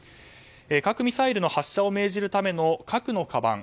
核ミサイルの発射を命じるための核のかばん